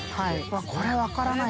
これ分からない。